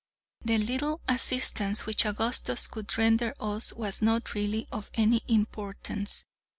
The little assistance which Augustus could render us was not really of any importance.